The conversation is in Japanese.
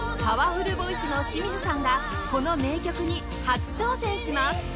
パワフルボイスの清水さんがこの名曲に初挑戦します